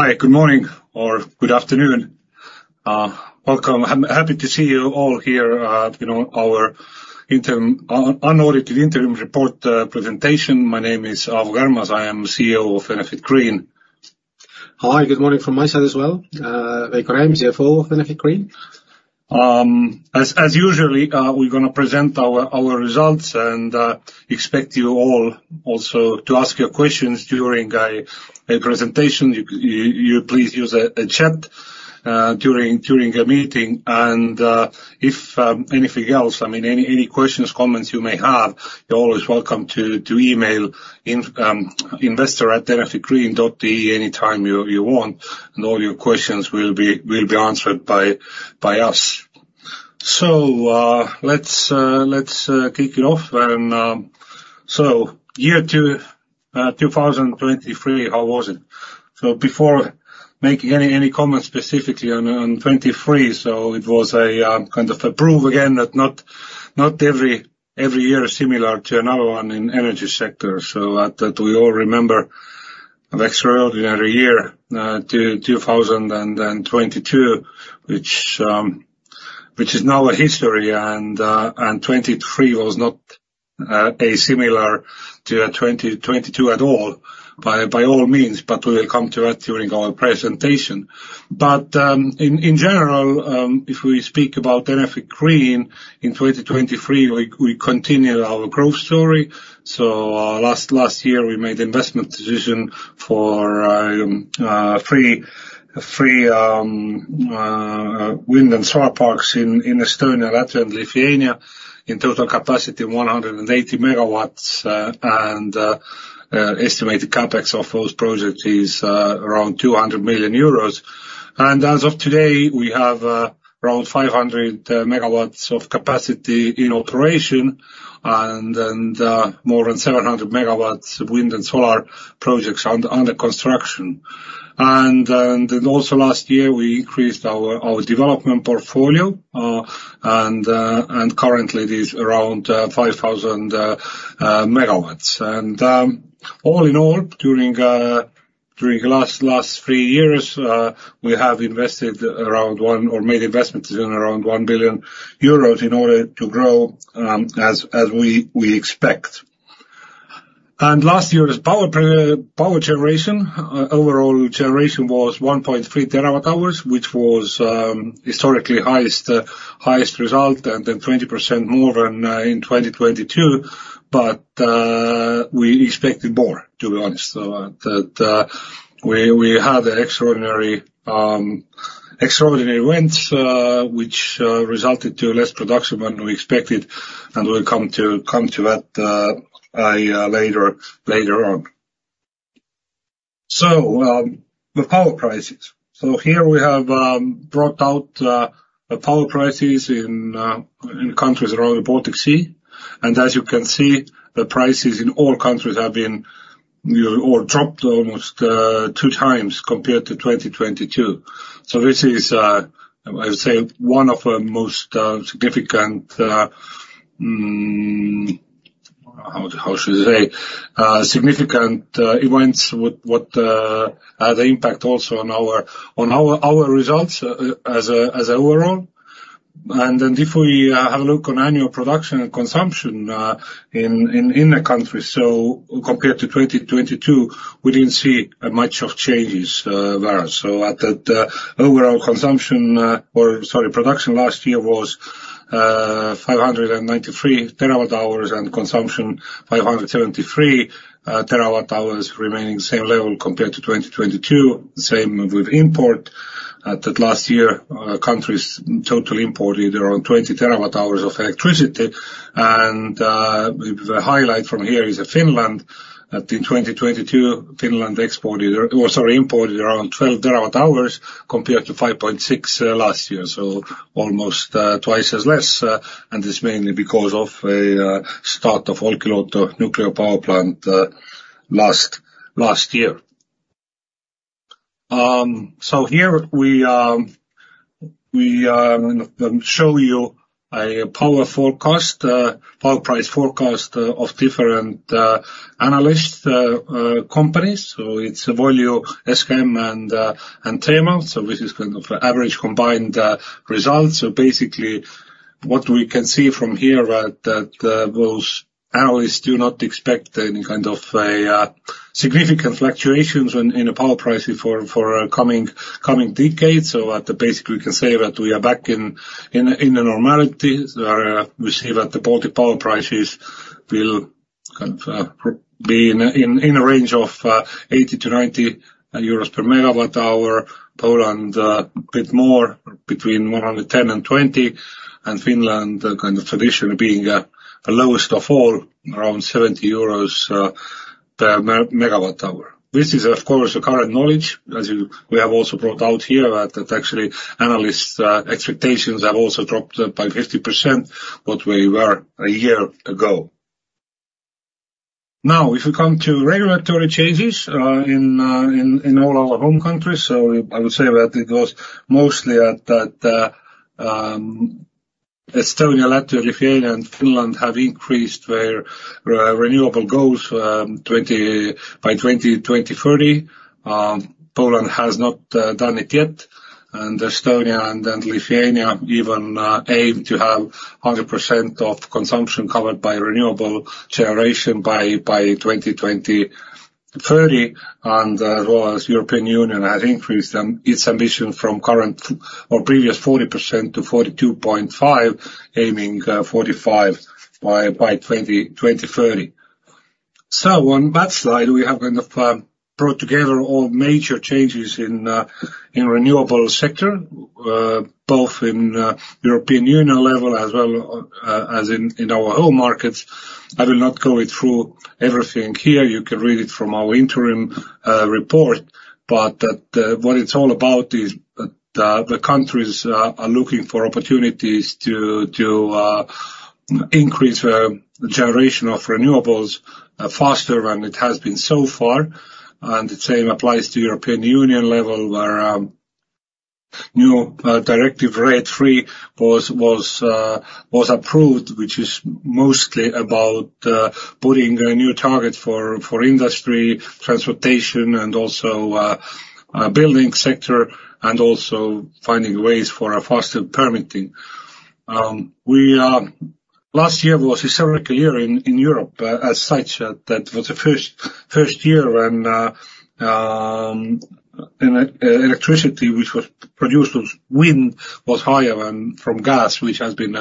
Hi, good morning, or good afternoon. Welcome. I'm happy to see you all here at, you know, our interim, unaudited interim report presentation. My name is Aavo Kärmas. I am CEO of Enefit Green. Hi, good morning from my side as well. Veiko Räim, CFO of Enefit Green. As usually, we're gonna present our results, and expect you all also to ask your questions during the presentation. You please use a chat during the meeting. And, if anything else, I mean, any questions, comments you may have, you're always welcome to email in investor@enefitgreen.ee anytime you want, and all your questions will be answered by us. So, let's kick it off. And, so year 2023, how was it? So before making any comments specifically on 2023, so it was a kind of a prove again, that not every year similar to another one in energy sector. So at that, we all remember the extraordinary year 2022, which is now a history, and 2023 was not similar to 2022 at all, by all means, but we will come to that during our presentation. But in general, if we speak about Enefit Green, in 2023, we continued our growth story. So last year, we made investment decision for 3 wind and solar parks in Estonia, Latvia, and Lithuania, in total capacity 180 MW, and estimated CapEx of those projects is around 200 million euros. As of today, we have around 500 MW of capacity in operation, and then more than 700 MW of wind and solar projects under construction. Then also last year, we increased our development portfolio, and currently it is around 5,000 MW. All in all, during the last three years, we have invested around one or made investments in around 1 billion euros in order to grow, as we expect. Last year's power generation, overall generation was 1.3 TWh, which was historically highest result, and then 20% more than in 2022. But we expected more, to be honest, that we had extraordinary events which resulted in less production than we expected, and we'll come to that later on. So the power prices. So here we have brought out the power prices in countries around the Baltic Sea. And as you can see, the prices in all countries have dropped almost two times compared to 2022. So this is, I would say, one of the most significant events that had an impact also on our results as overall. And then if we have a look on annual production and consumption in the country, so compared to 2022, we didn't see much of changes there. So overall consumption, or sorry, production last year was 593 TWh, and consumption 573 TWh, remaining the same level compared to 2022. Same with import. Last year countries totally imported around 20 TWh of electricity, and the highlight from here is Finland. In 2022, Finland exported, or sorry, imported around 12 TWh compared to 5.6 last year. So almost twice as less, and it's mainly because of a start of Olkiluoto nuclear power plant last year. Here we show you a power forecast, power price forecast, of different analyst companies. It's Volue, SKM and Thema. This is kind of an average combined result. Basically, what we can see from here are that those analysts do not expect any kind of a significant fluctuations in the power pricing for a coming decade. At the basic, we can say that we are back in the normality. We see that the Baltic power prices will kind of be in a range of 80-90 EUR/MWh. Poland, a bit more, between 110 and 120, and Finland, kind of traditionally being the lowest of all, around 70 euros per megawatt hour. This is, of course, the current knowledge. As we have also brought out here that actually analysts' expectations have also dropped by 50% what we were a year ago. Now, if we come to regulatory changes in all our home countries, so I would say that it was mostly at that. Estonia, Latvia, Lithuania, and Finland have increased their renewable goals twenty, by 2030. Poland has not done it yet, and Estonia and Lithuania even aim to have 100% of consumption covered by renewable generation by 2030. Well, as European Union has increased its ambition from current or previous 40% to 42.5%, aiming 45% by 2030. On that slide, we have kind of brought together all major changes in the renewable sector, both in European Union level as well as in our home markets. I will not go it through everything here. You can read it from our interim report. But what it's all about is the countries are looking for opportunities to increase generation of renewables faster than it has been so far. The same applies to European Union level, where new directive RED III was approved, which is mostly about putting a new target for industry, transportation, and also building sector, and also finding ways for a faster permitting. Last year was a historic year in Europe as such, that was the first year when electricity, which was produced with wind, was higher than from gas, which has been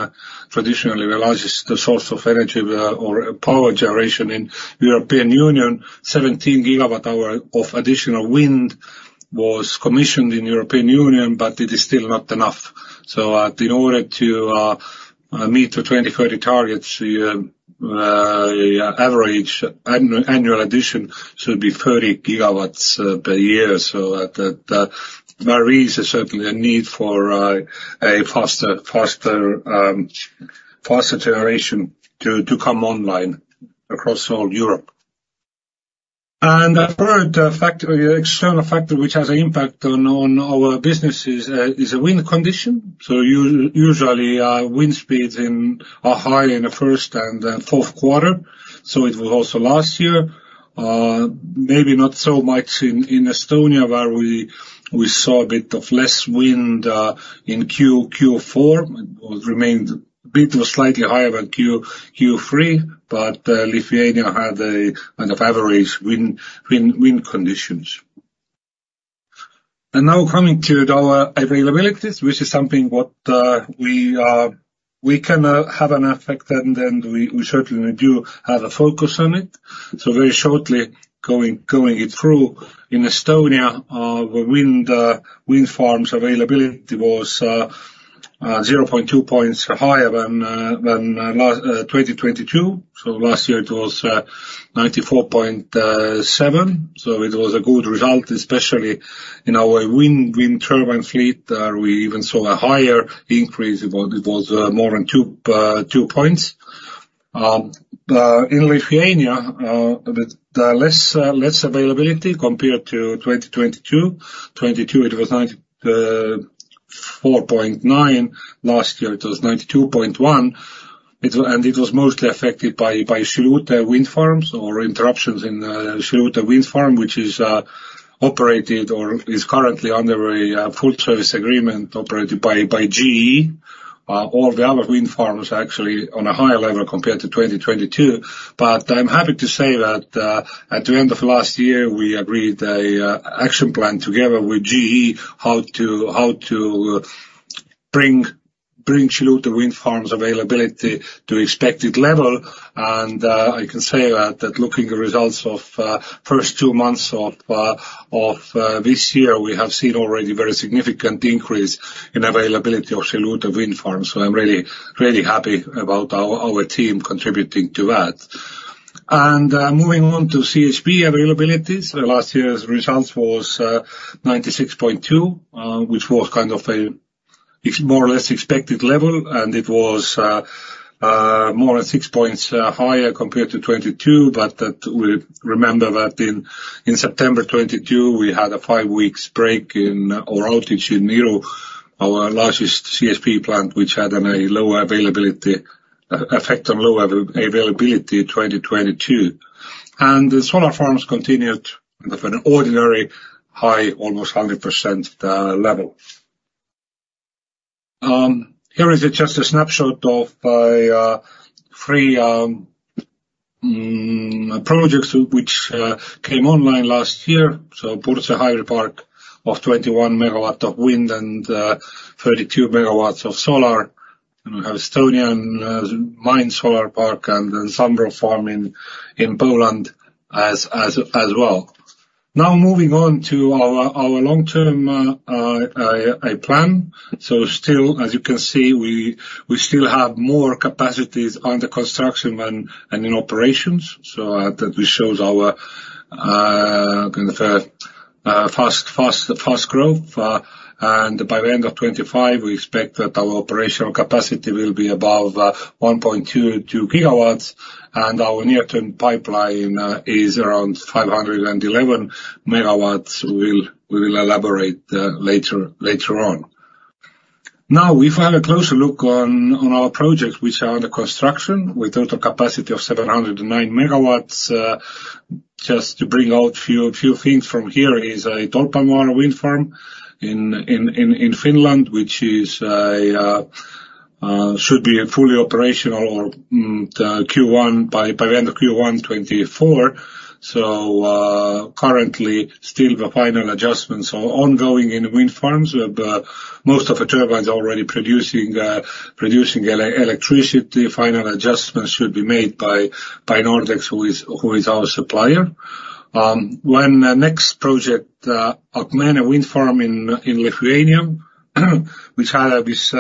traditionally the largest source of energy or power generation in European Union. 17 GWh of additional wind was commissioned in European Union, but it is still not enough. In order to meet the 2030 targets, the average annual addition should be 30 GW per year. So that there is certainly a need for a faster generation to come online across all Europe. And the third factor, external factor, which has an impact on our businesses, is a wind condition. So usually wind speeds are high in the first and fourth quarter, so it was also last year. Maybe not so much in Estonia, where we saw a bit of less wind in Q4. It remained a bit or slightly higher than Q3, but Lithuania had a kind of average wind conditions. And now coming to our availabilities, which is something what we can have an effect, and then we certainly do have a focus on it. So very shortly, going through it, in Estonia, the wind farms availability was 0.2 points higher than last 2022. So last year it was 94.7. So it was a good result, especially in our wind turbine fleet, we even saw a higher increase. It was more than 2 points. In Lithuania, less availability compared to 2022. 2022, it was 94.9. Last year, it was 92.1. It was mostly affected by Šilutė wind farms or interruptions in Šilutė wind farm, which is operated or is currently under a full service agreement operated by GE. All the other wind farms actually on a higher level compared to 2022. But I'm happy to say that at the end of last year, we agreed a action plan together with GE, how to bring Šilutė wind farms availability to expected level. I can say that looking the results of first 2 months of this year, we have seen already very significant increase in availability of Šilutė wind farms. So I'm really, really happy about our team contributing to that. Moving on to CHP availabilities. Last year's results was 96.2%, which was kind of a more or less expected level, and it was more than 6 points higher compared to 2022. But that we remember that in September 2022, we had a 5 weeks break in our outage in Iru, our largest CHP plant, which had a lower availability effect on low availability in 2022. And the solar farms continued with an ordinary high, almost 100%, level. Here is just a snapshot of three projects which came online last year. So Purtse Hybrid Park of 21 MW of wind and 32 MW of solar. And we have Estonia Mine solar park and Zambrow farm in Poland as well. Now, moving on to our long-term plan. So still, as you can see, we still have more capacities under construction than in operations, so that this shows our kind of fast growth. By the end of 2025, we expect that our operational capacity will be above 1.22 GW, and our near-term pipeline is around 511 MW. We will elaborate later on. Now, we've had a closer look on our projects which are under construction, with total capacity of 709 MW. Just to bring out a few things from here, Tolpanvaara wind farm in Finland should be fully operational by the end of Q1 2024. Currently, still the final adjustments are ongoing in the wind farm. We have most of the turbines already producing electricity. Final adjustments should be made by Nordex, who is our supplier. When the next project, Akmenė wind farm in Lithuania, which had this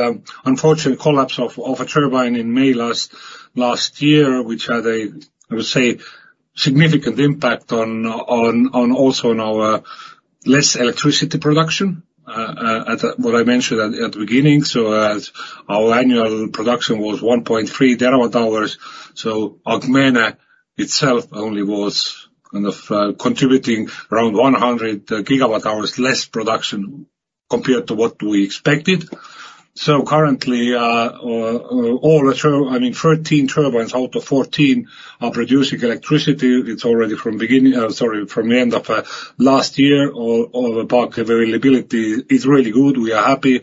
unfortunate collapse of a turbine in May last year, which had a, I would say, significant impact on, on, on also on our less electricity production. What I mentioned at the beginning, so as our annual production was 1.3 TWh, so Akmenė itself only was kind of contributing around 100 GWh less production compared to what we expected. So currently, all the—I mean, 13 turbines out of 14 are producing electricity. It's already from the end of last year, all the park availability is really good. We are happy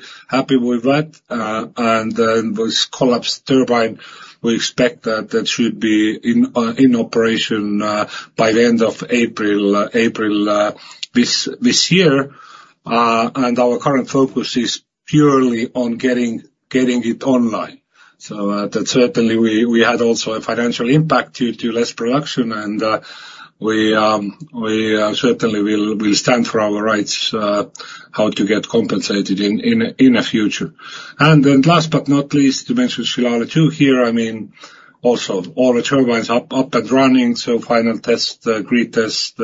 with that. And then this collapsed turbine, we expect that that should be in operation by the end of April this year. And our current focus is purely on getting it online. So, that certainly we had also a financial impact due to less production, and we certainly will stand for our rights how to get compensated in the future. And then last but not least, to mention Šilalė 2 here, I mean, also all the turbines up and running, so final test, grid test,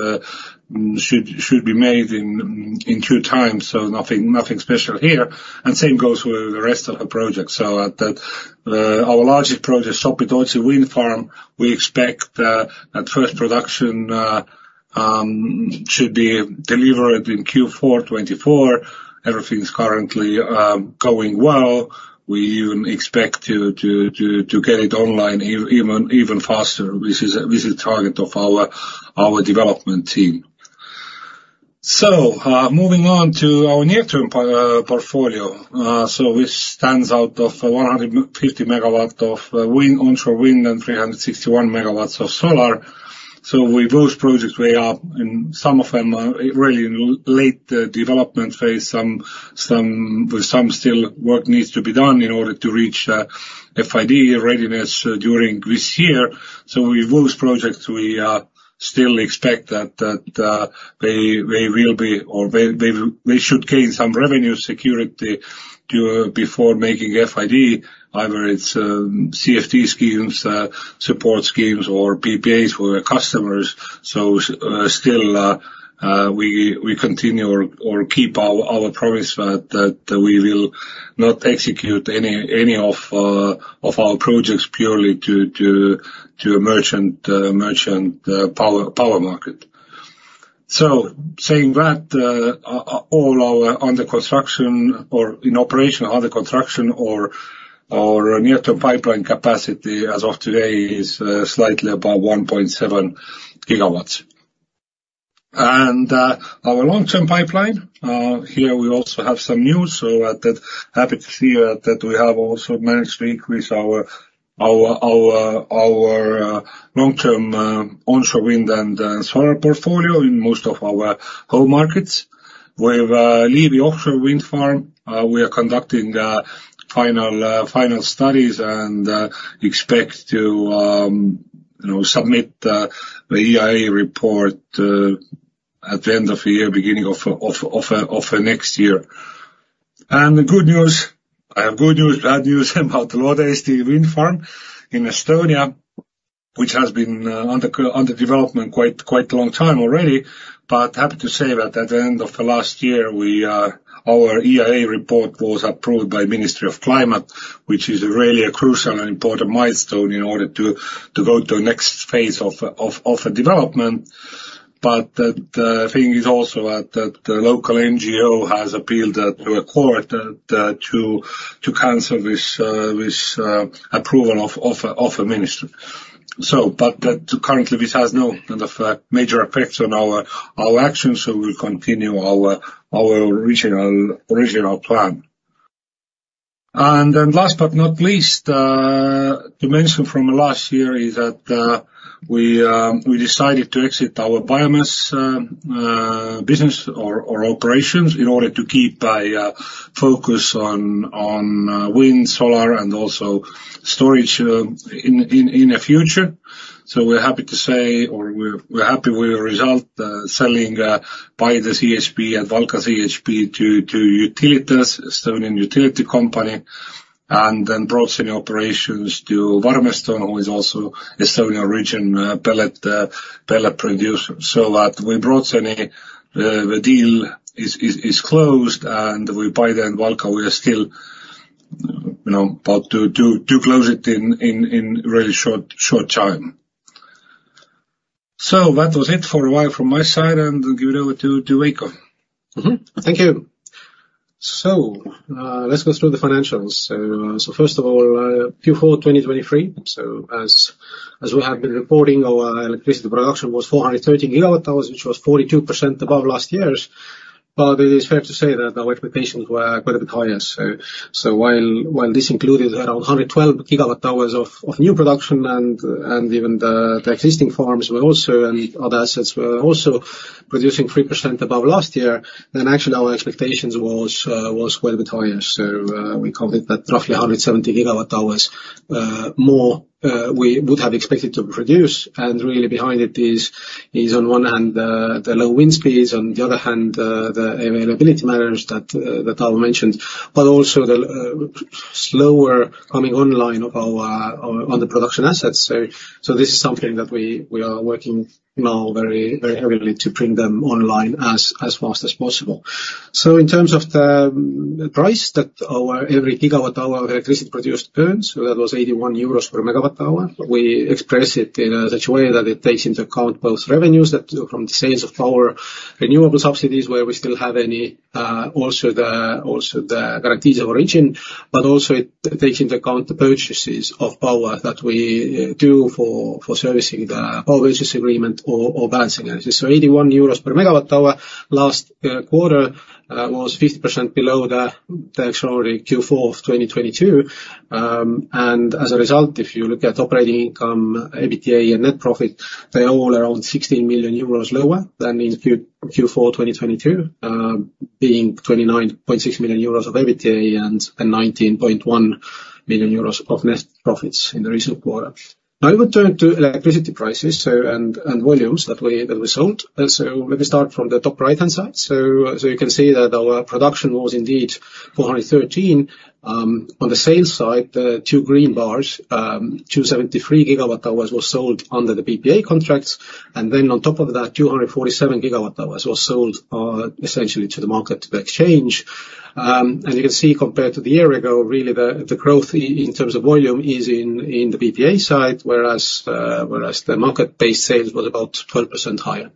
should be made in due time, so nothing special here. And same goes with the rest of the project. So at that, our largest project, Sopi-Tootsi Wind Farm, we expect that first production should be delivered in Q4 2024. Everything's currently going well. We even expect to get it online even faster. This is a target of our development team. So, moving on to our near-term portfolio, so which stands at 150 MW of onshore wind and 361 MW of solar. So with those projects, we are, and some of them are really in late development phase, some with some still work needs to be done in order to reach FID readiness during this year. So with those projects, we still expect that they will be or they should gain some revenue security to... Before making FID, either it's CID schemes, support schemes, or PPAs for the customers. So still, we continue or keep our promise that we will not execute any of our projects purely to merchant power market. So saying that, all our under construction or in operation, under construction or near-term pipeline capacity as of today is slightly above 1.7 GW. And our long-term pipeline, here we also have some news. So at that, happy to see that we have also managed to increase our long-term onshore wind and solar portfolio in most of our home markets. With Liivi Offshore Wind Farm, we are conducting final studies and expect to, you know, submit the EIA report at the end of the year, beginning of next year. The good news, I have good news, bad news about Loode-Eesti Wind Farm in Estonia, which has been under development quite a long time already. But happy to say that at the end of the last year, our EIA report was approved by Ministry of Climate, which is really a crucial and important milestone in order to go to the next phase of development. But the thing is also that the local NGO has appealed that to a court to cancel this approval of a minister. Currently, this has no kind of major effects on our actions, so we continue our original plan. And then last but not least to mention from the last year is that we decided to exit our biomass business or operations in order to keep a focus on wind, solar, and also storage in the future. So we're happy with the result, selling the CHP and Valka CHP to Utilitas, Estonian utility company, and then Brocēni operations to Warmeston, who is also Estonian regional pellet producer. So that we Brocēni, the deal is closed, and with Paide and Valka, we are still, you know, about to close it in really short time. So that was it for a while from my side, and I'll give it over to Veiko. Mm-hmm. Thank you. So, let's go through the financials. So first of all, Q4 2023, so as we have been reporting, our electricity production was 413 GWh, which was 42% above last year's. But it is fair to say that our expectations were quite a bit higher. So while this included around 112 GWh of new production, and even the existing farms were also, and other assets were also producing 3% above last year, then actually our expectations was quite a bit higher. So, we counted that roughly 170 GWh more we would have expected to produce, and really behind it is on one hand the low wind speeds, on the other hand the availability matters that Paul mentioned. But also the slower coming online of our other production assets. So this is something that we are working now very heavily to bring them online as fast as possible. So in terms of the price that our every GWh of electricity produced earns, that was 81 euros per MWh. We express it in such a way that it takes into account both revenues that, from the sales of our renewable subsidies, where we still have any, also the guarantees of origin, but also it takes into account the purchases of power that we do for servicing the power purchase agreement or balancing. So 81 euros per MWh last quarter was 50% below the extraordinary Q4 of 2022. And as a result, if you look at operating income, EBITDA and net profit, they're all around 16 million euros lower than in Q4 2022, being 29.6 million euros of EBITDA and 19.1 million euros of net profits in the recent quarter. Now, I will turn to electricity prices and volumes that we sold. So let me start from the top right-hand side. So you can see that our production was indeed 413. On the sales side, the two green bars, 273 GWh was sold under the PPA contracts, and then on top of that, 247 GWh was sold, essentially to the market, to the exchange. And you can see compared to the year ago, really, the growth in terms of volume is in the PPA side, whereas the market-based sales was about 12% higher.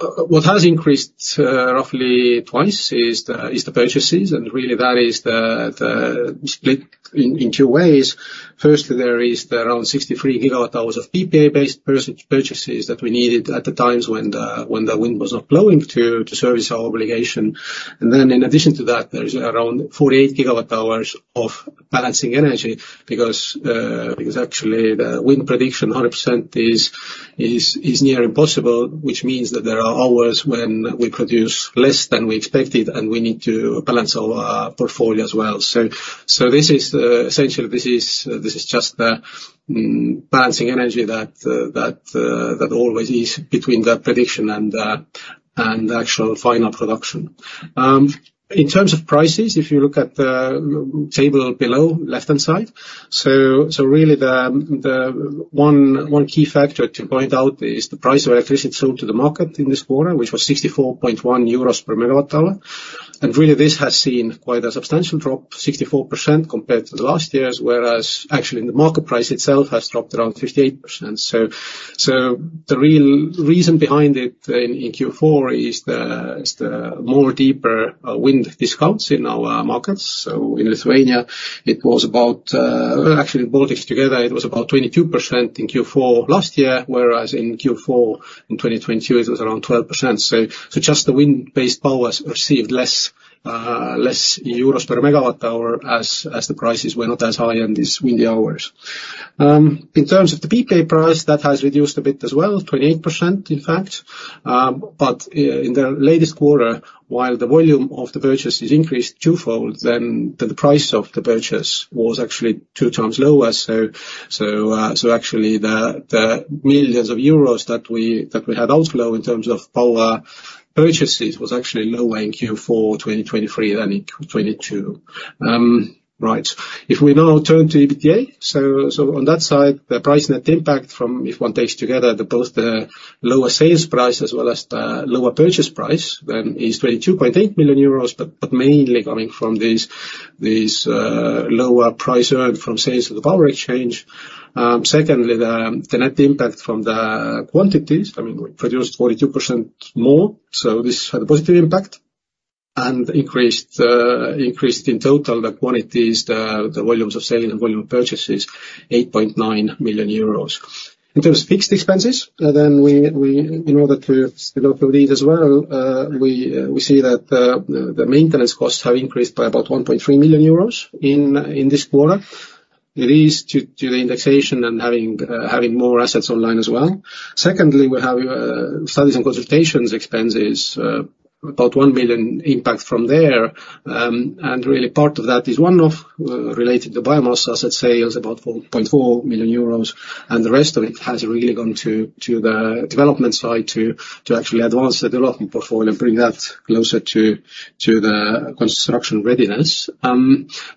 What has increased roughly twice is the purchases, and really that is the split in two ways. First, there is around 63 GWh of PPA-based purchases that we needed at the times when the wind was not blowing, to service our obligation. And then in addition to that, there is around 48 GWh of balancing energy, because actually the wind prediction 100% is near impossible, which means that there are hours when we produce less than we expected, and we need to balance our portfolio as well. So this is essentially this is just the balancing energy that that always is between the prediction and the actual final production. In terms of prices, if you look at the table below, left-hand side, really the one key factor to point out is the price of electricity sold to the market in this quarter, which was 64.1 euros per MWh. Really this has seen quite a substantial drop, 64% compared to last year's, whereas actually the market price itself has dropped around 58%. The real reason behind it in Q4 is the more deeper wind discounts in our markets. In Lithuania, it was about, actually Baltics together, it was about 22% in Q4 last year, whereas in Q4 in 2022, it was around 12%. Just the wind-based powers received less euros per megawatt hour as the prices were not as high in these windy hours. In terms of the PPA price, that has reduced a bit as well, 28%, in fact. But in the latest quarter, while the volume of the purchases increased twofold, then the price of the purchase was actually two times lower. Actually the millions of euros that we had also in terms of power purchases was actually lower in Q4 2023 than in 2022. Right. If we now turn to EBITDA, so on that side, the price net impact from, if one takes together the both the lower sales price as well as the lower purchase price, then is 22.8 million euros, but mainly coming from these lower price earned from sales of the power exchange. Secondly, the net impact from the quantities, I mean, we produced 42% more, so this had a positive impact. And increased in total the quantities, the volumes of selling and volume purchases, 8.9 million euros. In terms of fixed expenses, then we in order to look at these as well, we see that the maintenance costs have increased by about 1.3 million euros in this quarter. It is due to the indexation and having more assets online as well. Secondly, we have studies and consultations expenses about 1 million impact from there. And really part of that is one related to biomass asset sales, about 4.4 million euros, and the rest of it has really gone to the development side, to actually advance the development portfolio and bring that closer to the construction readiness.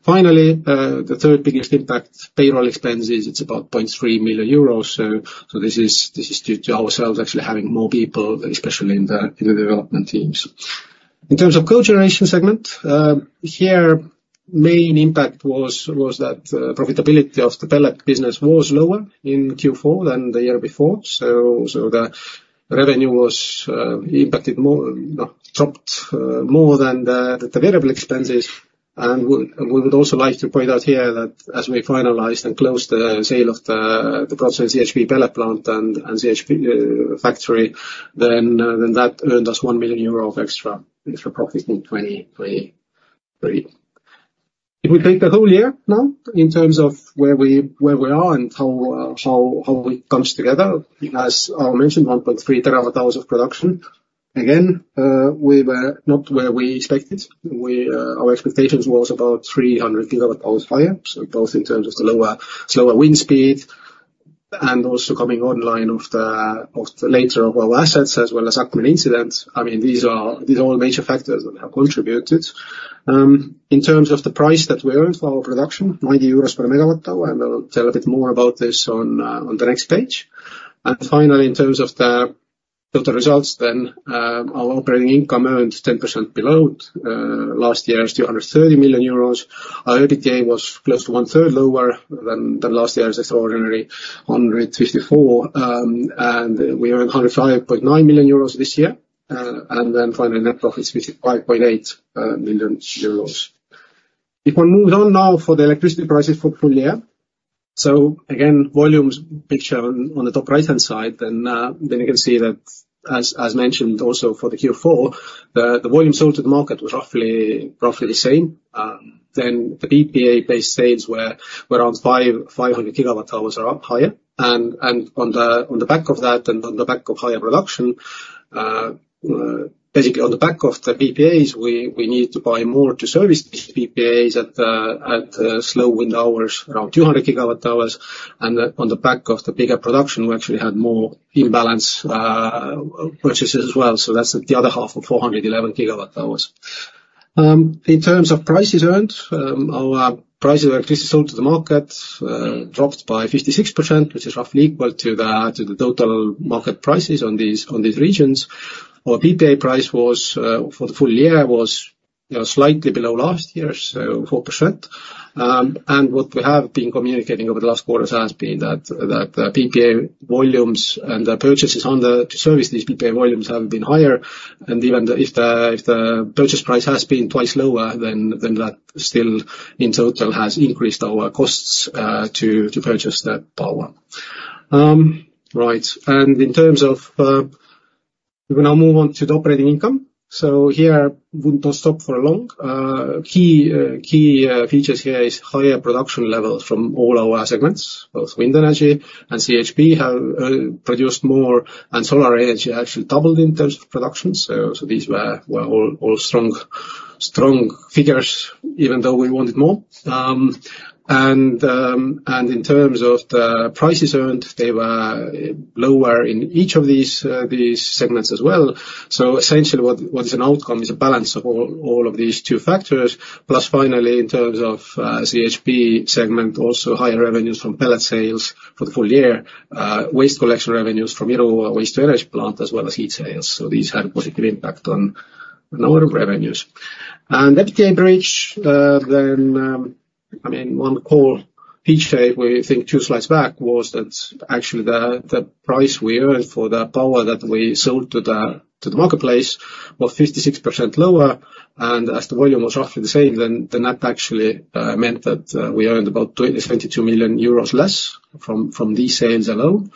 Finally, the third biggest impact, payroll expenses, it's about 0.3 million euros. So this is due to ourselves actually having more people, especially in the development teams. In terms of cogeneration segment, here, main impact was that profitability of the pellet business was lower in Q4 than the year before. So, so the revenue was impacted more, dropped more than the variable expenses. And we, we would also like to point out here that as we finalized and closed the sale of the Paide CHP pellet plant and CHP factory, then that earned us 1 million euro of extra profit in 2023. If we take the whole year now, in terms of where we, where we are, and how, how it comes together, as I mentioned, 1.3 TWh of production. Again, we were not where we expected. We, our expectations was about 300 GWh higher. So both in terms of the lower, slower wind speed, and also coming online of the later of our assets, as well as accident incidents. I mean, these are, these are all major factors that have contributed. In terms of the price that we earned for our production, 90 euros per MWh, and I'll tell a bit more about this on, on the next page. And finally, in terms of the, of the results then, our operating income earned 10% below, last year's 230 million euros. Our EBITDA was close to one-third lower than the last year's extraordinary 154. And we earned 105.9 million euros this year. And then finally, net profit is 55.8 million euros. If we move on now for the electricity prices for full year. So again, volume picture on the top right-hand side, then you can see that as mentioned also for the Q4, the volume sold to the market was roughly the same. Then the PPA-based sales were around 500 GWh are up higher. And on the back of that, and on the back of higher production, basically on the back of the PPAs, we needed to buy more to service these PPAs at the slow wind hours, around 200 GWh. And on the back of the bigger production, we actually had more imbalance purchases as well. So that's the other half of 411 GWh. In terms of prices earned, our prices actually sold to the market dropped by 56%, which is roughly equal to the total market prices on these regions. Our PPA price for the full year was slightly below last year's 4%. And what we have been communicating over the last quarters has been that the PPA volumes and the purchases to service these PPA volumes have been higher. And even if the purchase price has been twice lower, then that still, in total, has increased our costs to purchase the power. Right, and in terms of, we're gonna move on to the operating income. So here, we don't stop for long. Key features here is higher production levels from all our segments. Both wind energy and CHP have produced more, and solar energy actually doubled in terms of production. So these were all strong figures, even though we wanted more. And in terms of the prices earned, they were lower in each of these segments as well. So essentially, what is an outcome is a balance of all of these two factors. Plus, finally, in terms of CHP segment, also higher revenues from pellet sales for the full year, waste collection revenues from waste-to-energy plant, as well as heat sales. So these had a positive impact on our revenues. EBITDA bridge, then, I mean, one core feature we think two slides back, was that actually the price we earned for the power that we sold to the marketplace was 56% lower. And as the volume was roughly the same, then the net actually meant that we earned about 22 million euros less from these sales alone.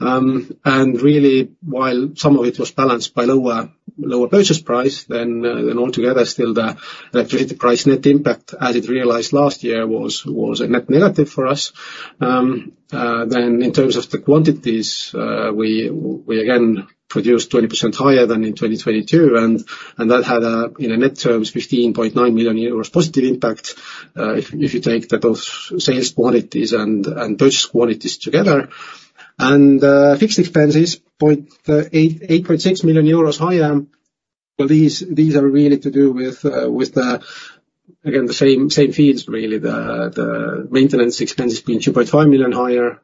And really, while some of it was balanced by lower purchase price, then altogether, still the electricity price net impact, as it realized last year, was a net negative for us. Then in terms of the quantities, we again produced 20% higher than in 2022, and that had, in net terms, 15.9 million euros positive impact, if you take those sales quantities and purchase quantities together. Fixed expenses, 8.6 million euros higher. But these are really to do with, again, the same fields, really. The maintenance expenses being 2.5 million higher,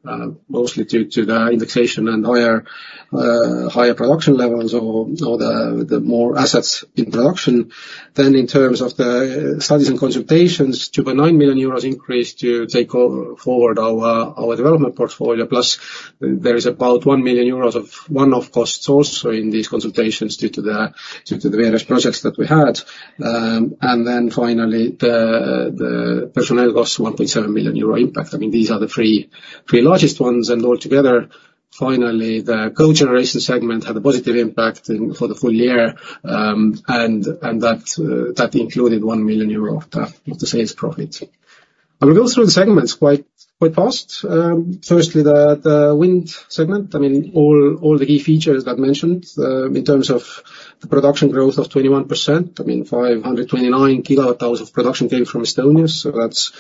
mostly due to the indexation and higher production levels or the more assets in production. Then in terms of the studies and consultations, 2.9 million euros increase to take forward our development portfolio. Plus, there is about 1 million euros of one-off costs also in these consultations due to the various projects that we had. And then finally, the personnel costs, 1.7 million euro impact. I mean, these are the three largest ones, and altogether, finally, the cogeneration segment had a positive impact in for the full year, and that included 1 million euro of the sales profit. I'll go through the segments quite fast. Firstly, the wind segment, I mean, all the key features I've mentioned, in terms of the production growth of 21%, I mean, 529 GWh of production came from Estonia, so that's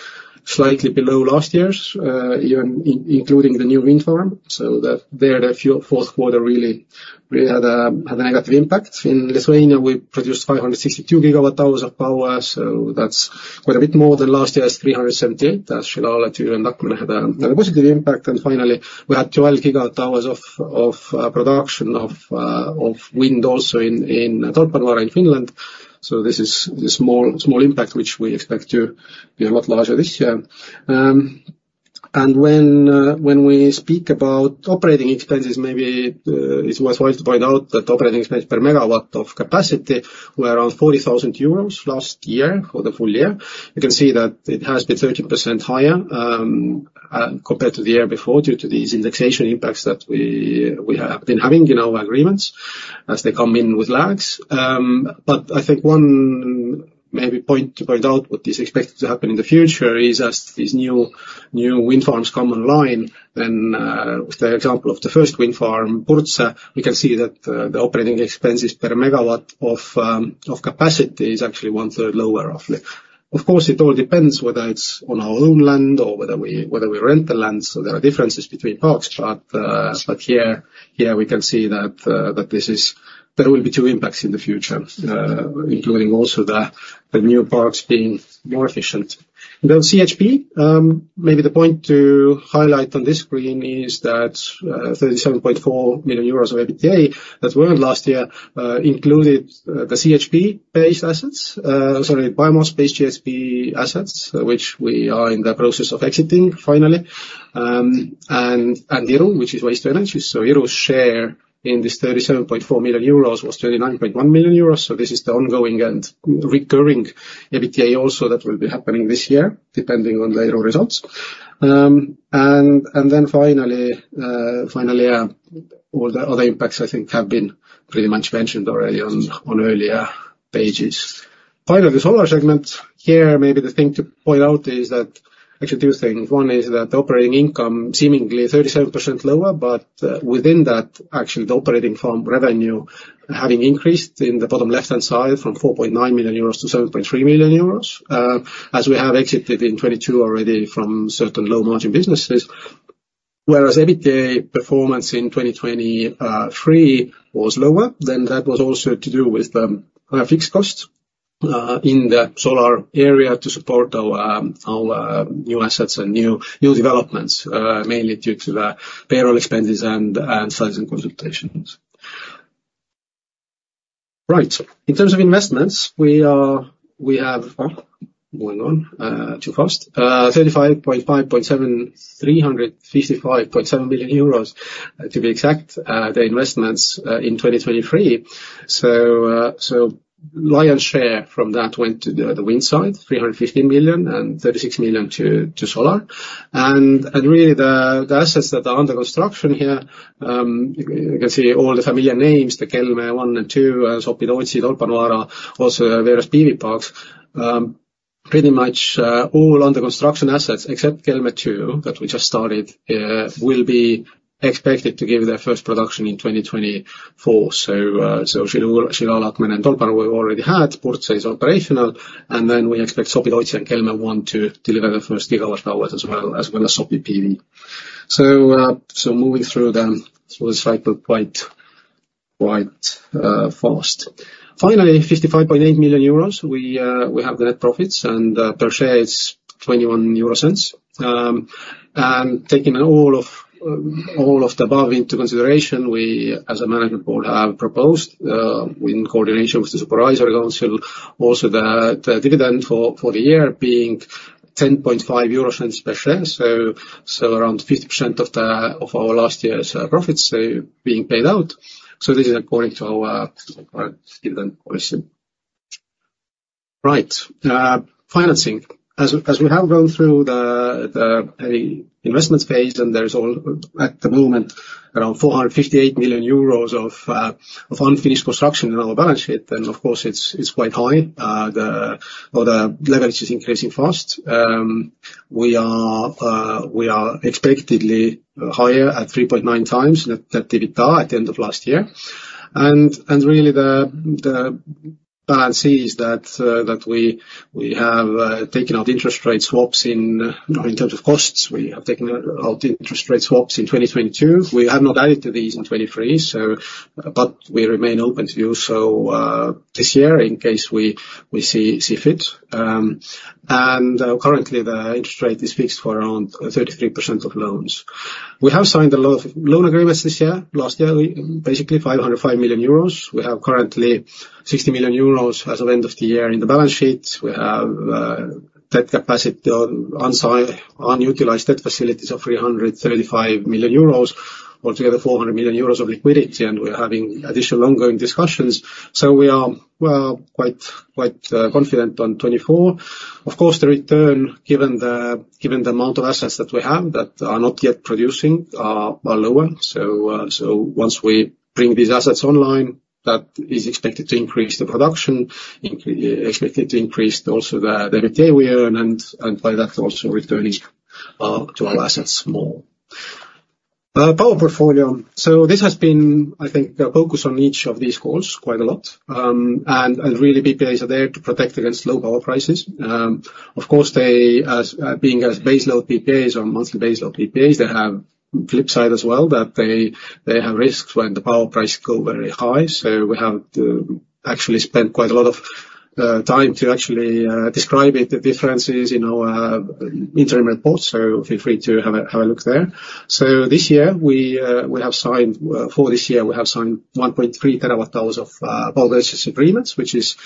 slightly below last year's, even including the new wind farm. So, the fourth quarter really had a negative impact. In Lithuania, we produced 562 GWh of power, so that's quite a bit more than last year's 378, as Šilutė and Akmenė had a positive impact. And finally, we had 12 GWh of production of wind also in Tolpanvaara, in Finland. So this is a small impact, which we expect to be a lot larger this year. And when we speak about operating expenses, maybe it's worth pointing out that operating expenses per MW of capacity were around 40,000 euros last year, for the full year. You can see that it has been 13% higher, compared to the year before, due to these indexation impacts that we, we have been having in our agreements as they come in with lags. But I think one maybe point to point out what is expected to happen in the future is as these new, new wind farms come online, then, with the example of the first wind farm, Purtse, we can see that, the operating expenses per megawatt of, of capacity is actually one-third lower, roughly. Of course, it all depends whether it's on our own land or whether we, whether we rent the land, so there are differences between parks. But, but here, here we can see that, that this is- there will be two impacts in the future, including also the, the new parks being more efficient. The CHP, maybe the point to highlight on this screen is that, 37.4 million euros of EBITDA that were in last year, included, the CHP-based assets, sorry, biomass-based CHP assets, which we are in the process of exiting, finally. And Iru, which is waste energy. So Iru's share in this 37.4 million euros was 39.1 million euros, so this is the ongoing and recurring EBITDA also that will be happening this year, depending on the Iru results. And then finally, all the other impacts, I think, have been pretty much mentioned already on, on earlier pages. Finally, the solar segment. Here, maybe the thing to point out is that... Actually, two things. One is that the operating income, seemingly 37% lower, but, within that, actually, the operating firm revenue having increased in the bottom left-hand side from 4.9 million euros to 7.3 million euros, as we have exited in 2022 already from certain low-margin businesses. Whereas EBITDA performance in 2023 was lower, then that was also to do with the fixed costs in the solar area to support our new assets and new developments, mainly due to the payroll expenses and sales and consultations. Right. In terms of investments, moving on, too fast. 355.7 million euros, to be exact, the investments in 2023. So, so lion's share from that went to the wind side, 315 million, and 36 million to solar. And really, the assets that are under construction here, you can see all the familiar names, the Kelmė 1 and 2, Sopi-Tootsi, Tolpanvaara, also various PV parks. Pretty much, all under construction assets, except Kelmė 2, that we just started, will be expected to give their first production in 2024. So, so Šilalė and Akmenė and Tolpanvaara we already had, Purtse is operational, and then we expect Sopi-Tootsi and Kelmė 1 to deliver the first gigawatt hours as well, as well as Sopi PV. So, so moving through, then, so the cycle quite fast. Finally, 55.8 million euros, we have the net profits, and, per share, it's 0.21 EUR. And taking all of the above into consideration, we, as a management board, have proposed, in coordination with the Supervisory Council, also the dividend for the year being 0.105 euros per share. So around 50% of our last year's profits being paid out. So this is according to our dividend policy. Right. Financing. As we have gone through the investment phase, and there's, at the moment, around 458 million euros of unfinished construction in our balance sheet, then of course, it's quite high. The leverage is increasing fast. We are expectedly higher at 3.9 times net EBITDA at the end of last year. Really, the balance is that we have taken out interest rate swaps in terms of costs. We have taken out interest rate swaps in 2022. We have not added to these in 2023, so but we remain open to do so this year, in case we see fit. And currently, the interest rate is fixed for around 33% of loans. We have signed a lot of loan agreements this year. Last year, we basically 505 million euros. We have currently 60 million euros as of end of the year in the balance sheet. We have debt capacity on undrawn unutilized debt facilities of 335 million euros. Altogether, 400 million euros of liquidity, and we're having additional ongoing discussions, so we are, well, quite, quite, confident on 2024. Of course, the return, given the amount of assets that we have that are not yet producing, are lower. So, so once we bring these assets online, that is expected to increase the production, expected to increase also the EBITDA we earn, and by that, also returning to our assets more. Power portfolio. So this has been, I think, the focus on each of these calls quite a lot. And really, PPAs are there to protect against low power prices. Of course, they, as being as base load PPAs or monthly base load PPAs, they have flip side as well, that they have risks when the power prices go very high. So we have to actually spend quite a lot of time to actually describe it, the differences in our interim reports, so feel free to have a look there. So this year, we have signed, for this year, 1.3 TWh of power purchase agreements, which is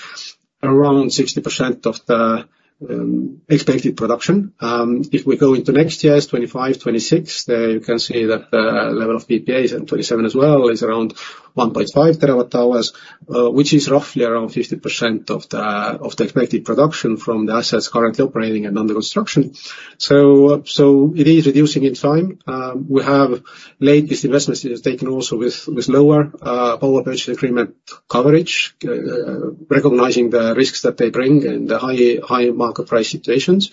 around 60% of the expected production. If we go into next year's 2025, 2026, there you can see that the level of PPAs in 2027 as well is around 1.5 TWh, which is roughly around 50% of the expected production from the assets currently operating and under construction. So it is reducing in time. We have latest investments taken also with lower power purchase agreement coverage, recognizing the risks that they bring and the high market price situations.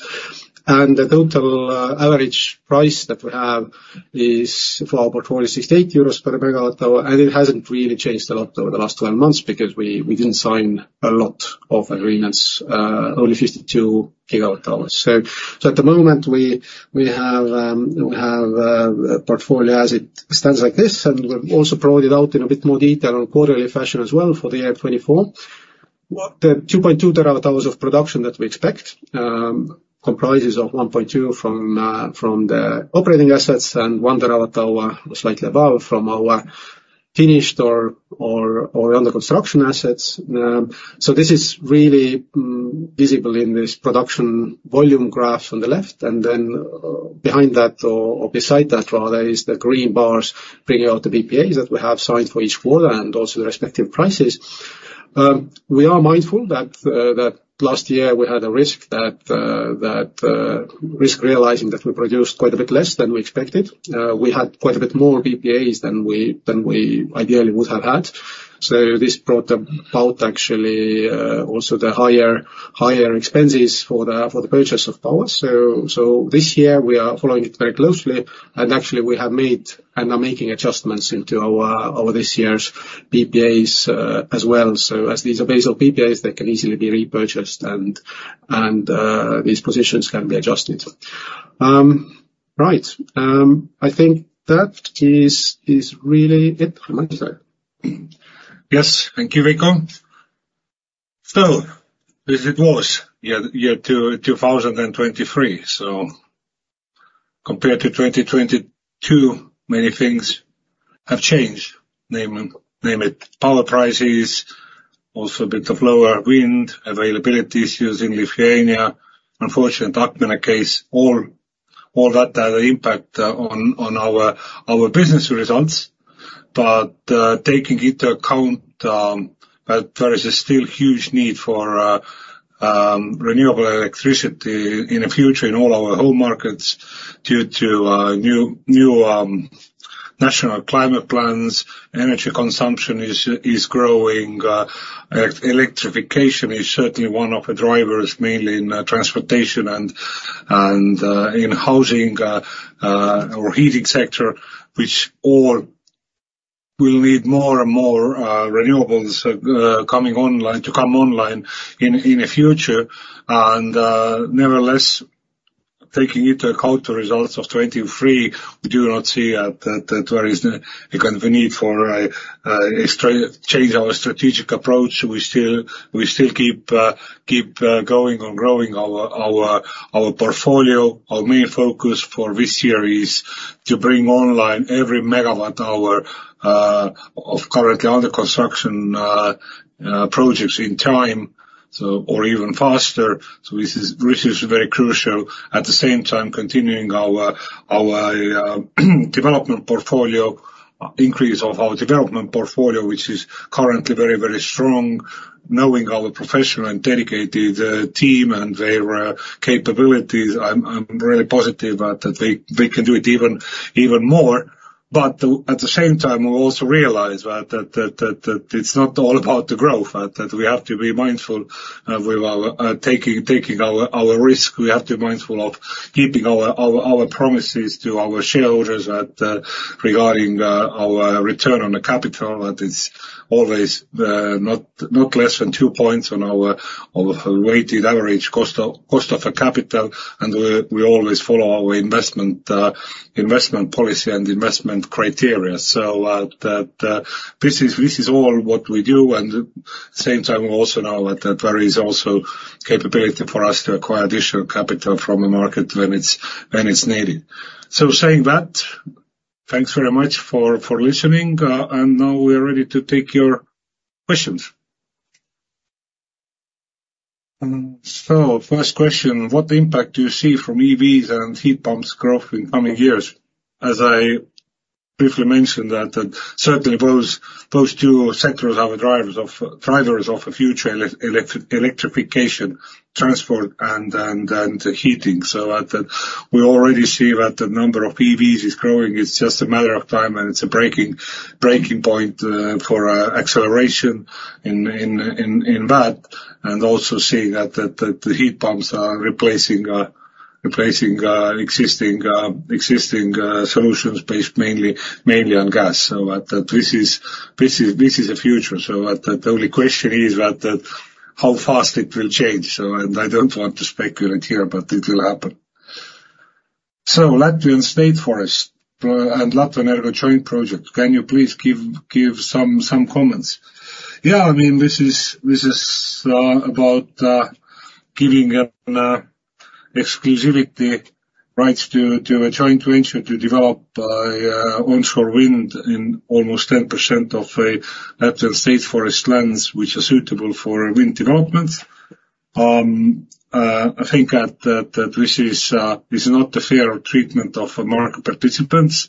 And the total average price that we have is for our portfolio, 68 EUR per MWh, and it hasn't really changed a lot over the last 12 months because we didn't sign a lot of agreements, only 52 GWh. So at the moment, we have a portfolio as it stands like this, and we've also provided out in a bit more detail on quarterly fashion as well for the year 2024. What the 2.2 TWh of production that we expect comprises of 1.2 from the operating assets and 1 TWh, or slightly above, from our finished or under construction assets. So this is really visible in this production volume graph on the left, and then behind that, or beside that rather, is the green bars bringing out the PPAs that we have signed for each quarter and also the respective prices. We are mindful that last year we had a risk that risk realizing that we produced quite a bit less than we expected. We had quite a bit more PPAs than we ideally would have had. So this brought about actually also the higher expenses for the purchase of power. So this year we are following it very closely, and actually we have made and are making adjustments into our this year's PPAs as well. So as these are based on PPAs, they can easily be repurchased and these positions can be adjusted. Right. I think that is really it, I might say. Yes, thank you, Veiko. So this it was year 2023. So compared to 2022, many things have changed, name it, power prices, also a bit of lower wind availability issues in Lithuania. Unfortunately, in that case, all that had an impact on our business results. But taking into account that there is still a huge need for renewable electricity in the future in all our home markets due to new national climate plans, energy consumption is growing, electrification is certainly one of the drivers, mainly in transportation and in housing or heating sector, which all will need more and more renewables to come online in the future. Nevertheless, taking into account the results of 2023, we do not see that there is kind of a need for a extra change our strategic approach. We still keep going on growing our portfolio. Our main focus for this year is to bring online every megawatt-hour of currently under construction projects in time, so or even faster. So this is very crucial. At the same time, continuing our development portfolio, increase of our development portfolio, which is currently very strong, knowing our professional and dedicated team and their capabilities, I'm really positive that they can do it even more. But at the same time, we also realize that it's not all about the growth, that we have to be mindful with our taking our risk. We have to be mindful of keeping our promises to our shareholders that, regarding our return on the capital, that it's always not less than two points on our weighted average cost of capital, and we always follow our investment policy and investment criteria. So, this is all what we do, and at the same time, we also know that there is also capability for us to acquire additional capital from the market when it's needed. So saying that, thanks very much for listening, and now we are ready to take your questions. So first question: What impact do you see from EVs and heat pumps growth in coming years? As I briefly mentioned, that certainly those two sectors are the drivers of a future electrification, transport, and heating. So at that, we already see that the number of EVs is growing. It's just a matter of time, and it's a breaking point for acceleration in that, and also seeing that the heat pumps are replacing existing solutions based mainly on gas. So that this is the future. So the only question is that how fast it will change. I don't want to speculate here, but it will happen. Latvia's State Forests and Latvenergo joint project, can you please give some comments? Yeah, I mean, this is about giving exclusivity rights to a joint venture to develop onshore wind in almost 10% of Latvia's State Forest lands which are suitable for wind development. I think that this is not a fair treatment of market participants.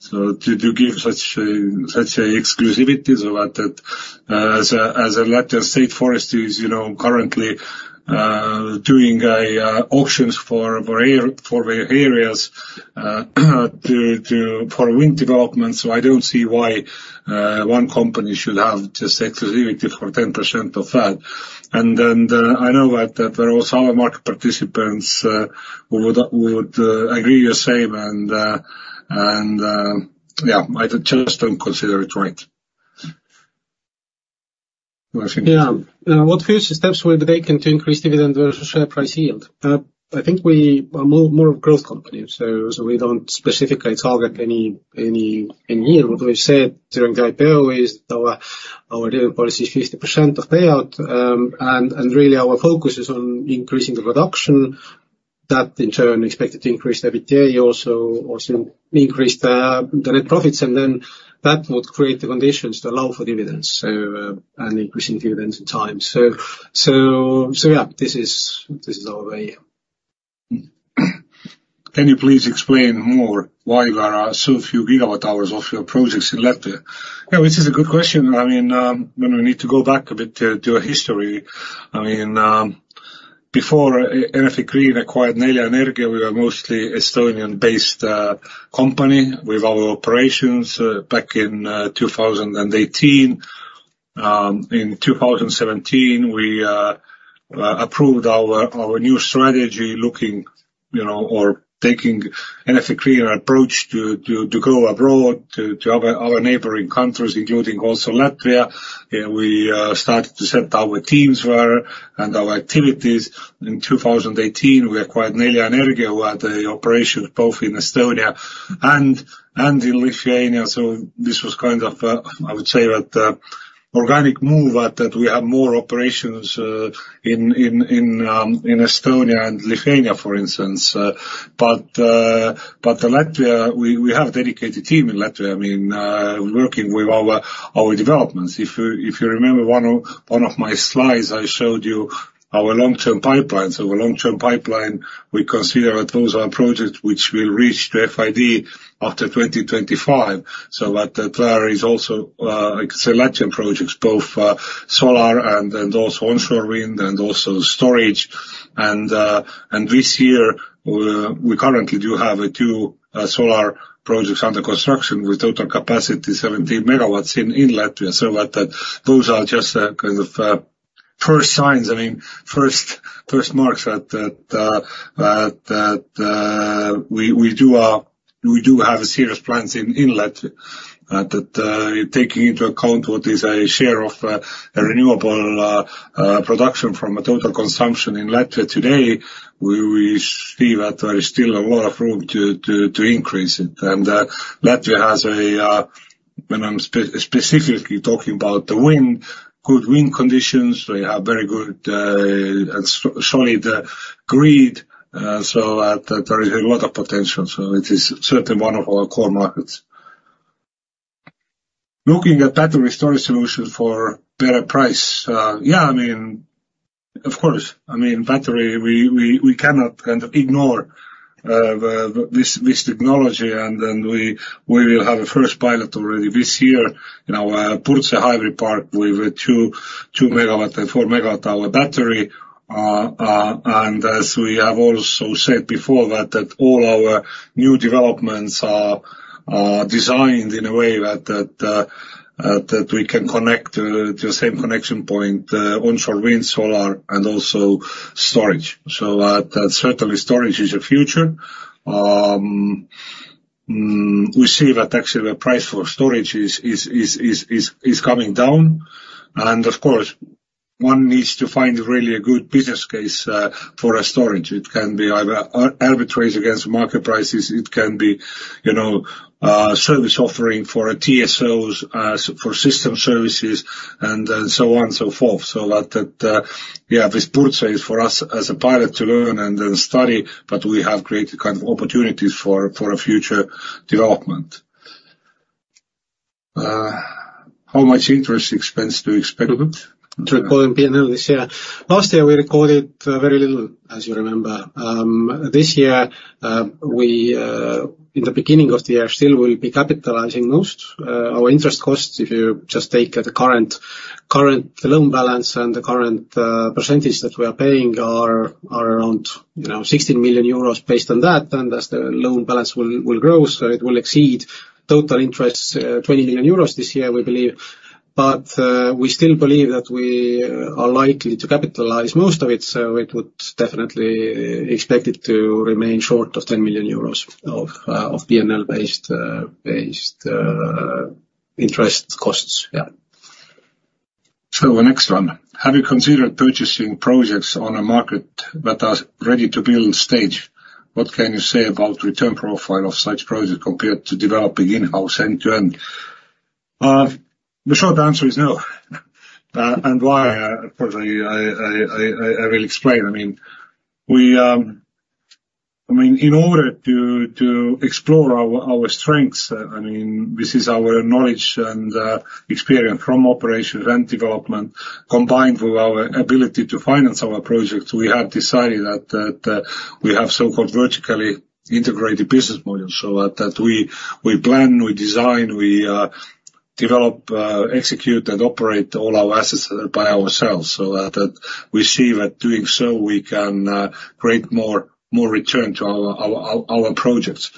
So to give such exclusivity so that, as Latvia's State Forest is, you know, currently doing auctions for areas for wind development. So I don't see why one company should have this exclusivity for 10% of that. And then, I know that there are some market participants who would agree the same, and yeah, I just don't consider it right. Yeah. Now, what future steps were taken to increase dividend versus share price yield? I think we are more of a growth company, so we don't specifically target any yield. What we've said during the IPO is our dividend policy is 50% of payout. And really our focus is on increasing the production. That in turn expected to increase EBITDA, also increase the net profits, and then that would create the conditions to allow for dividends. So, and increasing dividends in time. So yeah, this is our way. Can you please explain more why there are so few gigawatt hours of your projects in Latvia? Yeah, this is a good question. I mean, when we need to go back a bit to a history. I mean, before Enefit Green acquired Nelja Energia, we were mostly Estonian-based company with our operations back in 2018. In 2017, we approved our new strategy looking, you know, or taking Enefit Green approach to go abroad to other neighboring countries, including also Latvia. We started to set our teams there and our activities. In 2018, we acquired Nelja Energia, who had the operation both in Estonia and in Lithuania. So this was kind of, I would say that, organic move, that we have more operations in Estonia and Lithuania, for instance. But Latvia, we have a dedicated team in Latvia, I mean, working with our developments. If you remember one of my slides, I showed you our long-term pipelines. So our long-term pipeline, we consider that those are projects which will reach the FID after 2025. So that, there is also select projects, both solar and also onshore wind, and also storage. And this year, we currently do have two solar projects under construction, with total capacity 17 MW in Latvia. So that, those are just kind of first signs, I mean, first marks that we do have serious plans in Latvia. Taking into account what is a share of a renewable production from a total consumption in Latvia today, we see that there is still a lot of room to increase it. Latvia has, when I'm specifically talking about the wind, good wind conditions. We have very good and solid grid, so that there is a lot of potential. So it is certainly one of our core markets. Looking at battery storage solution for better price. Yeah, I mean, of course, I mean, battery, we cannot kind of ignore this technology, and then we will have a first pilot already this year in our Purtse Hybrid Park with a 2 MW and 4 MWh battery. And as we have also said before, that all our new developments are designed in a way that we can connect to the same connection point, onshore wind, solar, and also storage. So, certainly storage is the future. We see that actually the price for storage is coming down. And of course, one needs to find really a good business case for a storage. It can be either arbitrage against market prices, it can be, you know, service offering for TSOs, so for system services, and so on and so forth. So that, yeah, this Purtse is for us, as a pilot to learn and then study, but we have created kind of opportunities for a future development. How much interest expense do you expect to record in P&L this year? Last year, we recorded very little, as you remember. This year, in the beginning of the year, we still will be capitalizing most our interest costs. If you just take the current loan balance and the current percentage that we are paying are around, you know, 16 million euros based on that, and as the loan balance will grow, so it will exceed total interest 20 million euros this year, we believe. But, we still believe that we are likely to capitalize most of it, so it would definitely expect it to remain short of 10 million euros of P&L-based interest costs. Yeah. So the next one: Have you considered purchasing projects on a market that are ready-to-build stage? What can you say about return profile of such projects compared to developing in-house, end-to-end? The short answer is no. And why? Of course, I will explain. I mean, we, I mean, in order to explore our strengths, I mean, this is our knowledge and experience from operations and development, combined with our ability to finance our projects, we have decided that we have so-called vertically integrated business model, so that we plan, we design, we develop, execute, and operate all our assets by ourselves, so that we see that doing so, we can create more return to our projects.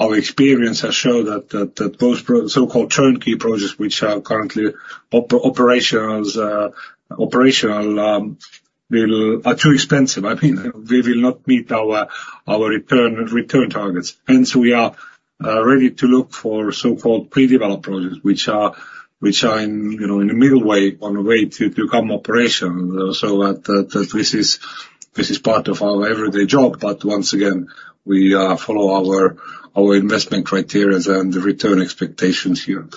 Our experience has showed that those so-called turnkey projects, which are currently operational, are too expensive. I mean, they will not meet our return targets. Hence, we are ready to look for so-called pre-developed projects, which are in, you know, in a middle way, on the way to become operational, so that this is part of our everyday job. But once again, we follow our investment criteria and the return expectations here.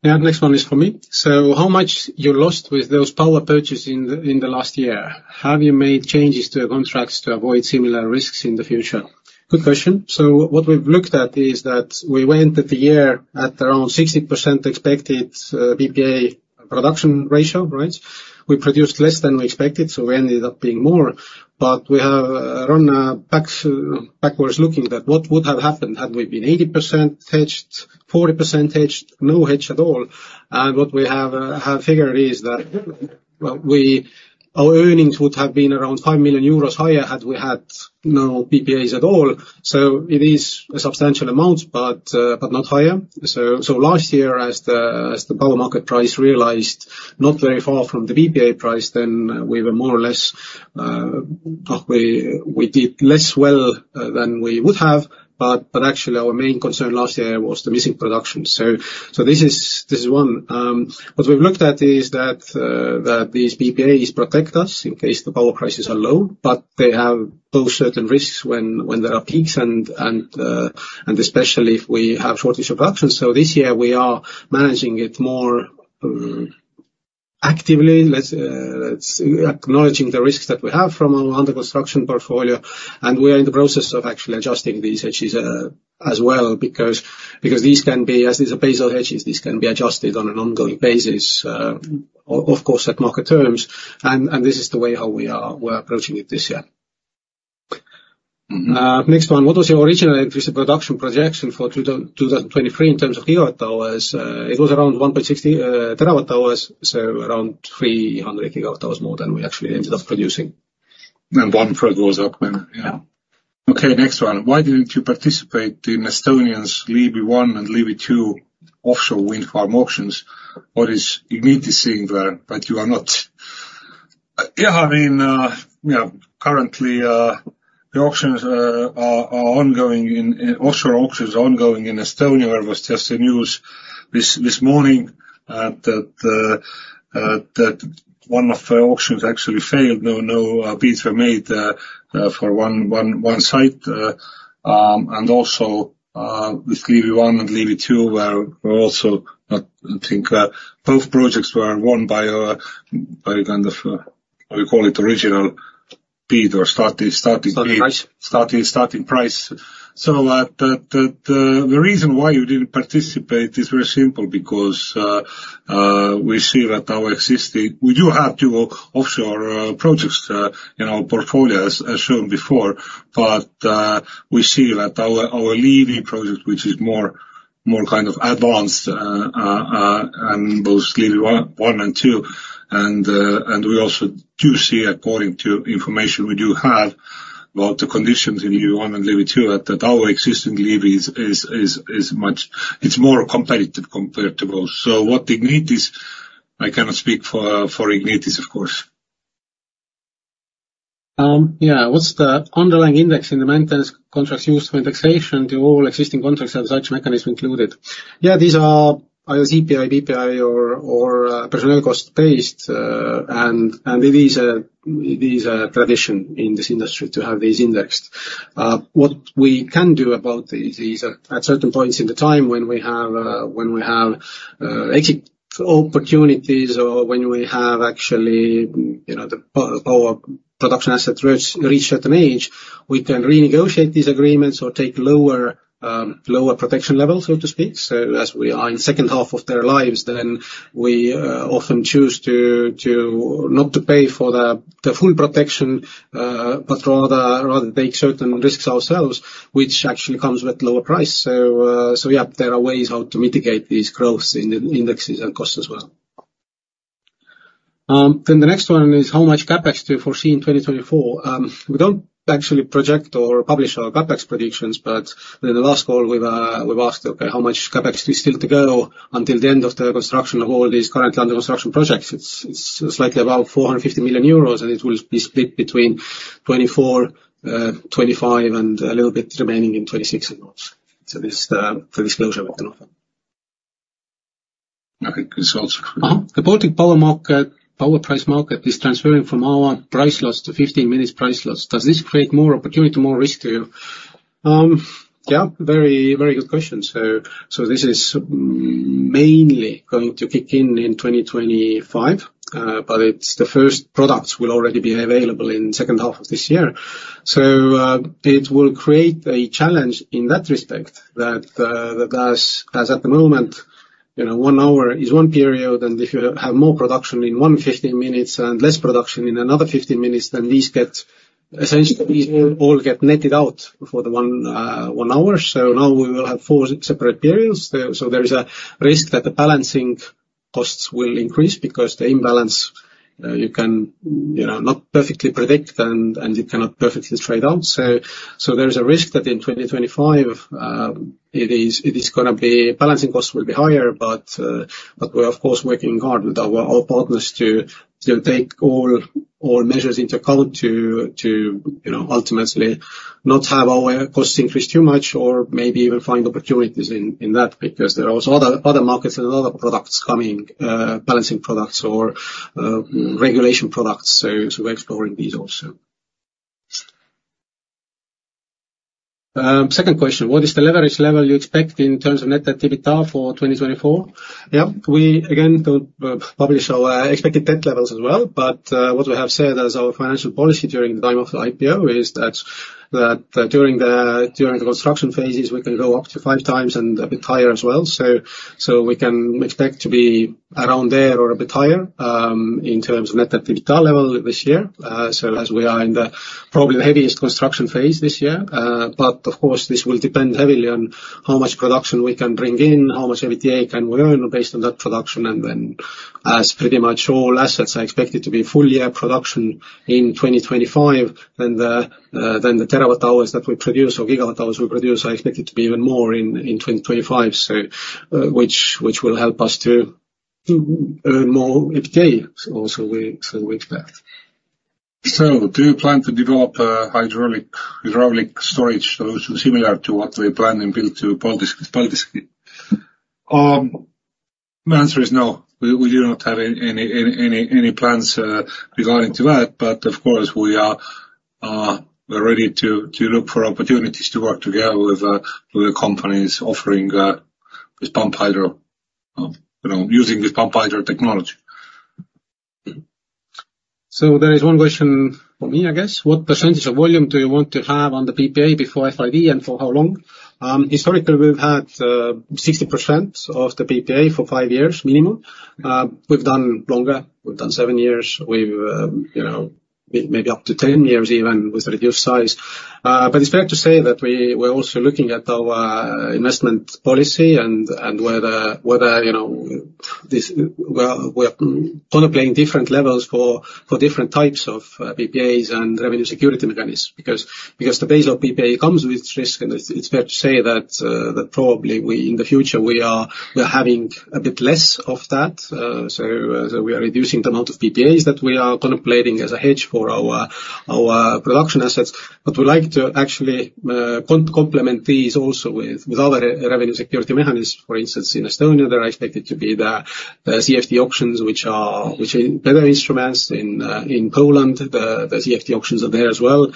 Yeah, next one is for me. So how much you lost with those power purchase in the, in the last year? Have you made changes to your contracts to avoid similar risks in the future? Good question. So what we've looked at is that we went at the year at around 60% expected, PPA production ratio, right? We produced less than we expected, so we ended up paying more. But we have run backwards looking at what would have happened had we been 80% hedged, 40% hedged, no hedge at all. And what we have figured is that, well, our earnings would have been around 5 million euros higher had we had no PPAs at all. So it is a substantial amount, but, but not higher. So, last year, as the power market price realized not very far from the PPA price, then we were more or less we did less well than we would have, but actually our main concern last year was the missing production. So, this is one. What we've looked at is that these PPAs protect us in case the power prices are low, but they have those certain risks when there are peaks and especially if we have shortage of production. So this year we are managing it more actively. Let's... Acknowledging the risks that we have from our under construction portfolio, and we are in the process of actually adjusting these hedges as well, because these can be, as these are basal hedges, these can be adjusted on an ongoing basis, of course, at market terms, and this is the way how we are, we're approaching it this year. Mm-hmm. Next one: What was your original increased production projection for 2023 in terms of gigawatt hours? It was around 1.60 terawatt hours, so around 300 gigawatt hours more than we actually ended up producing. One for those documents. Yeah. Okay. Next one: Why didn't you participate in Estonians' Liivi One and Liivi Two offshore wind farm auctions? What is you need to seeing there, but you are not? Yeah, I mean, you know, currently, the auctions are ongoing in offshore auctions are ongoing in Estonia. There was just a news this morning that one of the auctions actually failed. No bids were made for one site. And also, with Liivi One and Liivi Two, where we're also, I think, both projects were won by kind of what we call it, original bid or starting bid- Starting price. Starting price. So the reason why you didn't participate is very simple, because we see that our existing. We do have two offshore projects in our portfolio, as shown before. But we see that our Liivi project, which is more kind of advanced, and both Liivi One and Two, and we also do see, according to information we do have about the conditions in Liivi One and Liivi Two, that our existing Liivi is much. It's more competitive compared to those. So what the need is, I cannot speak for Ignitis, of course. Yeah. What's the underlying index in the maintenance contracts used for indexation to all existing contracts, and such mechanism included? Yeah, these are either CPI, PPI or personnel cost-based, and it is a tradition in this industry to have these indexed. What we can do about these at certain points in time when we have exit opportunities or when we have actually, you know, our production assets reach a certain age, we can renegotiate these agreements or take lower protection levels, so to speak. So as we are in second half of their lives, then we often choose to not pay for the full protection, but rather take certain risks ourselves, which actually comes with lower price. So yeah, there are ways how to mitigate these growth in the indexes and costs as well. Then the next one is: How much CapEx do you foresee in 2024? We don't actually project or publish our CapEx predictions, but in the last call, we've asked, okay, how much CapEx is still to go until the end of the construction of all these currently under construction projects. It's likely about 450 million euros, and it will be split between 2024, 2025 and a little bit remaining in 2026 as well. So this, for disclosure, we can offer.... I think it's also true. Uh-huh. The Baltic power market power price market is transferring from hourly price slots to 15-minute price slots. Does this create more opportunity, more risk to you? Yeah, very, very good question. So this is mainly going to kick in in 2025, but the first products will already be available in second half of this year. So it will create a challenge in that respect, that as at the moment, you know, one hour is one period, and if you have more production in one 15 minutes and less production in another 15 minutes, then these get, essentially, these all get netted out for the one hour. So now we will have four separate periods. So there is a risk that the balancing costs will increase because the imbalance, you can, you know, not perfectly predict, and you cannot perfectly trade out. So there is a risk that in 2025, balancing costs will be higher. But we're of course working hard with our partners to take all measures into account to, you know, ultimately not have our costs increase too much or maybe even find opportunities in that, because there are also other markets and other products coming, balancing products or regulation products. So we're exploring these also. Second question: What is the leverage level you expect in terms of net debt/EBITDA for 2024? Yeah, we again don't publish our expected debt levels as well, but what we have said as our financial policy during the time of the IPO is that during the construction phases, we can go up to 5x and a bit higher as well. So, we can expect to be around there or a bit higher in terms of net debt level this year. So as we are in the probably heaviest construction phase this year, but of course, this will depend heavily on how much production we can bring in, how much EBITDA can we earn based on that production, and then as pretty much all assets are expected to be full year production in 2025, then the terawatt hours that we produce or gigawatt hours we produce are expected to be even more in 2025, so which will help us to earn more EBITDA, so we expect. Do you plan to develop a hydraulic storage, so similar to what we plan and build in the Baltic? My answer is no. We do not have any plans regarding to that. But of course, we are ready to look for opportunities to work together with the companies offering pumped hydro, you know, using pumped hydro technology. So there is one question for me, I guess: What percentage of volume do you want to have on the PPA before FID, and for how long? Historically, we've had 60% of the PPA for five years minimum. We've done longer, we've done 7 years. We've, you know, maybe up to 10 years even, with reduced size. But it's fair to say that we're also looking at our investment policy and whether, you know, well, we are contemplating different levels for different types of PPAs and revenue security mechanisms. Because the base of PPA comes with risk, and it's fair to say that probably we, in the future, we're having a bit less of that. So we are reducing the amount of PPAs that we are contemplating as a hedge for our production assets. But we would like to actually complement these also with other revenue security mechanisms. For instance, in Estonia, they are expected to be the CfD auctions, which are better instruments. In Poland, the CfD auctions are there as well.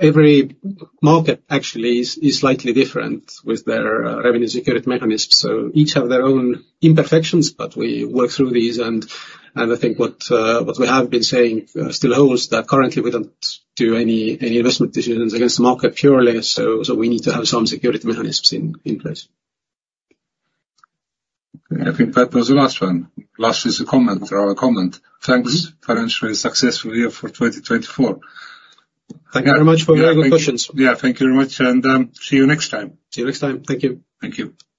Every market actually is slightly different with their revenue security mechanisms, so each have their own imperfections, but we work through these. I think what we have been saying still holds, that currently we don't do any investment decisions against the market purely, so we need to have some security mechanisms in place. I think that was the last one. Last is a comment or a comment. Mm-hmm. Thanks. Financially successful year for 2024. Thank you very much for your good questions. Yeah, thank you very much, and see you next time. See you next time. Thank you. Thank you.